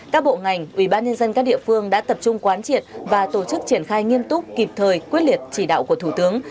các bộ ngành ủy ban nhân dân các địa phương đã tập trung quán triệt và tổ chức triển khai nghiêm túc kịp thời quyết liệt chỉ đạo của thủ tướng